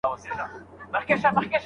کوپیلوټ هم ورته وسیله ده.